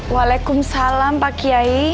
waalaikumsalam pak kiai